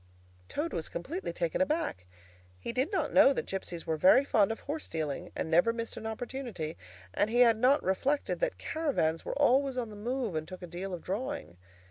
Toad was completely taken aback. He did not know that gipsies were very fond of horse dealing, and never missed an opportunity, and he had not reflected that caravans were always on the move and took a deal of drawing.